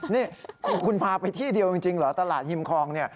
นี่คุณพาไปที่เดียวจริงเหรอตลาดฮิมคองเนี่ย